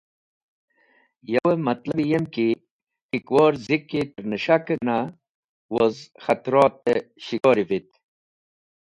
Yawe matlabi yem ki K̃hikwor Ziki ter Nis̃hake gana woz Khatrat e Shikori vitk.